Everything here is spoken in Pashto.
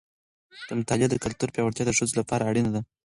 د مطالعې د کلتور پیاوړتیا د ښځو لپاره هم اړینه ده.